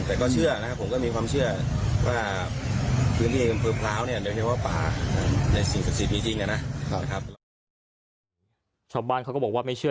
ในพื้นที่เดียวกันแต่ก็เชื่อนะครับผมก็มีความเชื่อ